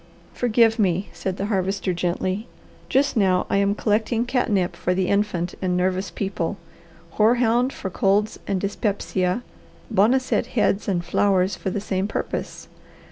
"Forgive me," said the Harvester gently. "Just now I am collecting catnip for the infant and nervous people, hoarhound for colds and dyspepsia, boneset heads and flowers for the same purpose.